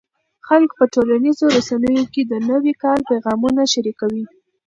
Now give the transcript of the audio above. خلک په ټولنیزو رسنیو کې د نوي کال پیغامونه شریکوي.